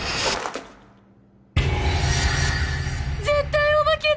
絶対お化けだ！